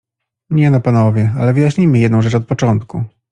Nie no, panowie, ale wyjaśnijmy jedną rzecz od początku.